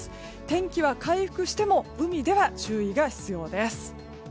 天気は回復しても海では注意が必要です。